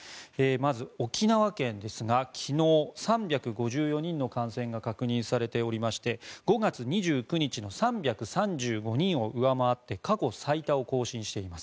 まず、沖縄県ですが昨日、３５４人の感染が確認されておりまして５月２９日の３３５人を上回って過去最多を更新しています。